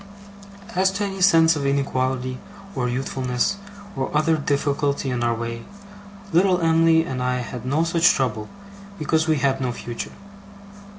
As to any sense of inequality, or youthfulness, or other difficulty in our way, little Em'ly and I had no such trouble, because we had no future.